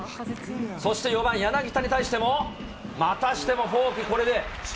そして４番柳田に対しても、またしてもフォーク。